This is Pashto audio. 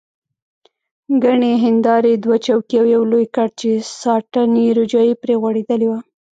ګڼې هندارې، دوه چوکۍ او یو لوی کټ چې ساټني روجایې پرې غوړېدلې وه.